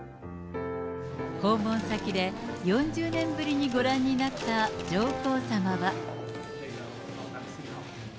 訪問先で４０年ぶりにご覧になった上皇さまは。